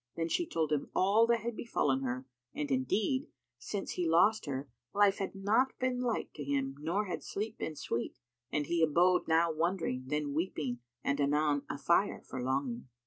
Then she told him all that had befallen her, and indeed, since he lost her, life had not been light to him nor had sleep been sweet, and he abode now wondering, then weeping and anon afire for longing.